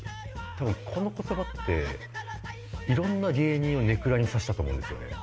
多分この言葉っていろんな芸人をネクラにさせたと思うんですよね。